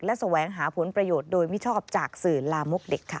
และแสวงหาผลประโยชน์โดยมิชอบจากสื่อลามกเด็กค่ะ